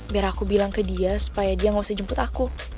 biar aku bilang ke dia supaya dia nggak usah jemput aku